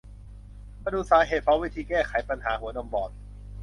มาดูสาเหตุ พร้อมวิธีแก้ไขปัญหาหัวนมบอด